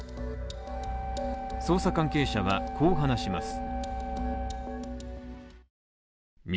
捜査関係者は、こう話します。